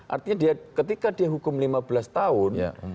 artinya ketika dia hukum lima belas tahun